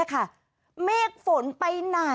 ค่ะคือเมื่อวานี้ค่ะ